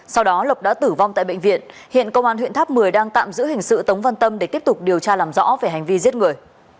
sau đó lộc đã tử vong tại bệnh viện hiện công an huyện tháp một mươi đang tạm giữ hình sự tống văn tâm để tiếp tục điều tra làm rõ về hành vi giết người